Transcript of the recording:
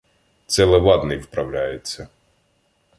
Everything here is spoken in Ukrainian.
Це Левадний вправляється.